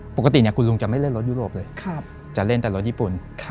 ปกติเนี้ยคุณลุงจะไม่เล่นรถยุโรปเลยครับจะเล่นแต่รถญี่ปุ่นครับ